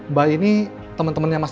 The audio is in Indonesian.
mbak ini temen temennya mas